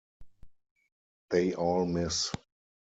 They all miss.